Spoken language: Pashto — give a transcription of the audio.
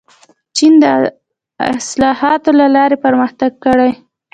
چین د اصلاحاتو له لارې پرمختګ کړی.